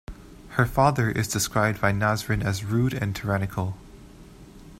Her father is described by Nasrin as rude and tyrannical.